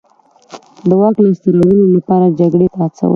د واک لاسته راوړلو لپاره جګړې ته هڅول.